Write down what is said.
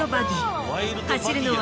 走るのは。